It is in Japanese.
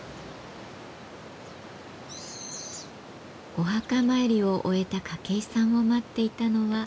お墓参りを終えた筧さんを待っていたのは。